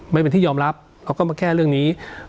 ไม่เป็นที่ยอมรับเขาก็มาแก้เรื่องนี้